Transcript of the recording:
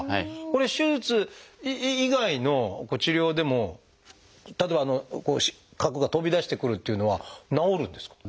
これ手術以外の治療でも例えば核が飛び出してくるというのは治るんですか？